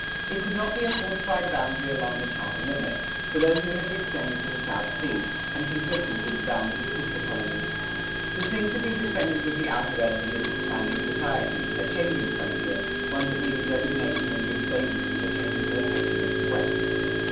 It could not be a fortified boundary along the charter limits, for those limits extended to the South Sea, and conflicted with the bounds of sister colonies. The thing to be defended was the outer edge of this expanding society, a changing frontier, one that needed designation and re statement with the changing location of the "West."